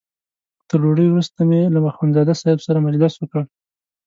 تر ډوډۍ وروسته مې له اخندزاده صاحب سره مجلس وکړ.